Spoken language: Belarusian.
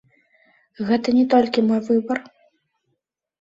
Гэта не толькі мой выбар.